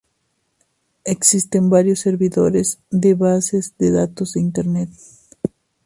Existen varios servidores de bases de datos en Internet